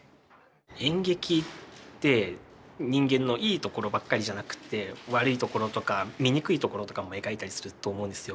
演劇って人間のいいところばっかりじゃなくって悪いところとか醜いところとかも描いたりすると思うんですよ。